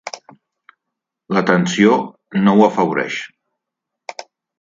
La tensió no ho afavoreix.